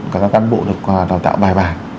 các cán bộ được tạo tạo bài bản